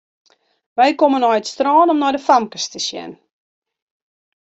Wy komme nei it strân om nei de famkes te sjen.